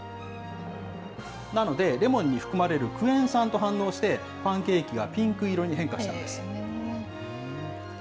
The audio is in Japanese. なので、レモンに含まれるクエン酸と反応して、パンケーキがピンク色に変化したんです。